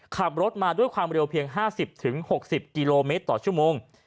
ขับรถมาด้วยความเร็วเพียง๕๐๖๐กิโลเมตรต่อชั่วโมง